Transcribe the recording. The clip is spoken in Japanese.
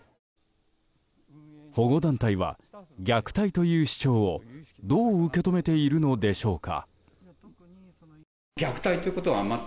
保護団体は虐待という主張をどう受け止めているのでしょうか。